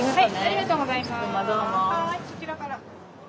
はい。